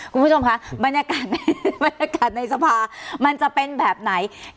คุณผู้ชมคะบรรยากาศในสภามันจะเป็นแบบไหน